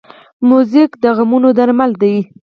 موزیک د غمونو درمل دی.